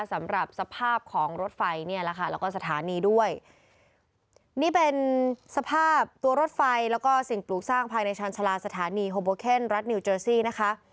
สำหรับสภาพของรถไฟเนี่ยแหละค่ะแล้วก็สถานีด้วยนี่เป็นสภาพตัวรถไฟแล้วก็สิ่งปลูกสร้างภายในชาญชาลาสถานีโฮโบเคนรัฐนิวเจอร์ซี่นะคะ